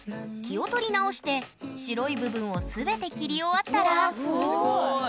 気を取り直して白い部分を全て切り終わったらすごい。